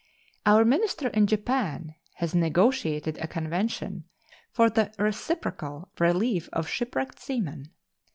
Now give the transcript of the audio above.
Our minister in Japan has negotiated a convention for the reciprocal relief of shipwrecked seamen.